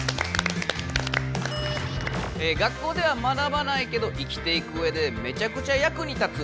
学校では学ばないけど生きていくうえでめちゃくちゃ役に立つ。